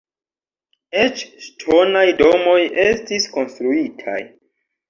Eĉ ŝtonaj domoj estis konstruitaj.